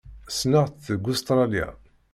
Ssneɣ-tt deg Ustṛalya.